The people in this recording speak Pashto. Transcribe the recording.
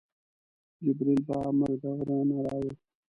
جبریل په امر د غره نه راوړ.